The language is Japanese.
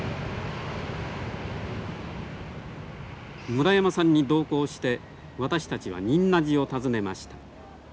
村山さんに同行して私たちは仁和寺を訪ねました。